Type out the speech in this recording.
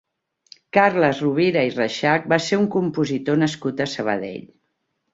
Carles Rovira i Reixach va ser un compositor nascut a Sabadell.